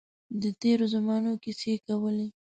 د تېرو زمانو کیسې کولې.